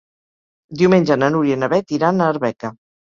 Diumenge na Núria i na Beth iran a Arbeca.